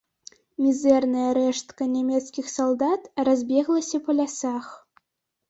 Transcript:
Мізэрная рэштка нямецкіх салдат разбеглася па лясах.